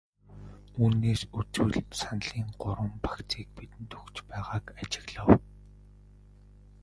Үүнээс үзвэл саналын гурван багцыг бидэнд өгч байгааг ажиглав.